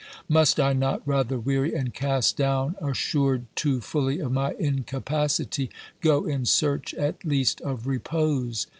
Must I not rather, weary and cast down, assured too fully of my incapacity, go in search at least of repose?